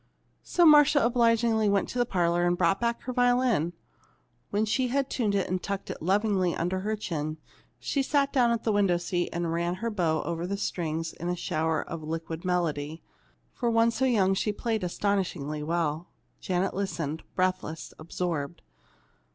So Marcia obligingly went to the parlor and brought back her violin. When she had tuned it and tucked it lovingly under her chin, she sat down in the window seat and ran her bow over the strings in a shower of liquid melody. For one so young she played astonishingly well. Janet listened, breathless, absorbed.